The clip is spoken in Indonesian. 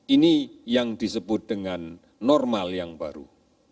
ini yang disebut dengan normal yang baru